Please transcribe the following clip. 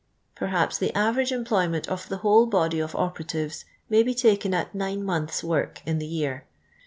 Terhaps t:ie aveia:;e eniploynient of the whole body ot' o]ieratives may he taken at nine niMiths* Work in the year.